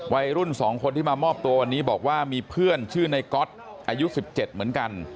วัยรุ่น๒คนที่มามอบตัววันนี้บอกว่ามีเพื่อนชื่อในก๊อตอายุ๑๗เหมือนกัน